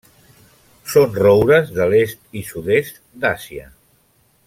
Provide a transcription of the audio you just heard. Són roures de l'est i sud-est d'Àsia.